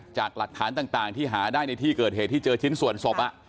จากหลักฐานต่างที่หาได้ในที่เกิดเหตุที่เจอชิ้นส่วนศพ